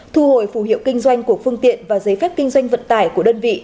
thu hồi phù hiệu kinh doanh của phương tiện và giấy phép kinh doanh vận tải của đơn vị